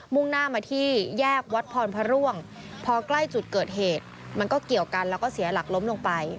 ่งหน้ามาที่แยกวัดพรพระร่วงพอใกล้จุดเกิดเหตุมันก็เกี่ยวกันแล้วก็เสียหลักล้มลงไป